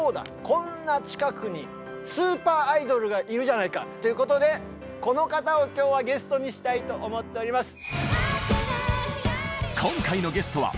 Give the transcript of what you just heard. こんな近くにスーパーアイドルがいるじゃないか！ということでこの方を今日はゲストにしたいと思っております。